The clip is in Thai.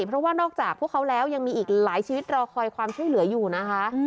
เพราะว่านอกจากพวกเขาแล้วยังมีอีกหลายชีวิตรอคอยความช่วยเหลืออยู่นะคะ